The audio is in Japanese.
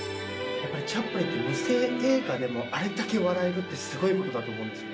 やっぱりチャップリンって無声映画でもあれだけ笑えるって、すごいことだと思うんですよね。